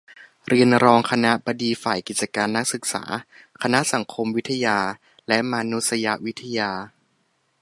เรียน รองคณบดีฝ่ายกิจการนักศึกษา คณะสังคมวิทยาและมานุษยวิทยา